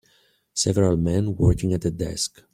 Several men working at a desk.